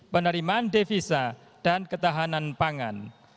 penerimaan devisa dan ketahanan pangan